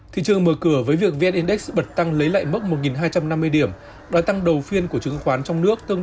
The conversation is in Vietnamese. thị trường mở cửa với việc vn index bật tăng lấy lại mức một hai trăm năm mươi điểm đoán tăng đầu phiên của chứng khoán trong nước